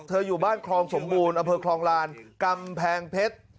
อยู่บ้านคลองสมบูรณ์อำเภอคลองลานกำแพงเพชร